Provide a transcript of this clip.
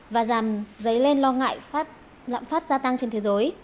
và giảm dấy lên lo ngại lạm phát gia tăng trên thế giới